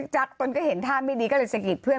ตนก็เห็นท่าไม่ดีก็เลยสะกิดเพื่อน